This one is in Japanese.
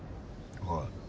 はい。